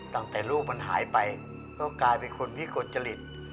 ตั้งแต่ลูกมันหายไปก็กลายเป็นคนวิกลจริต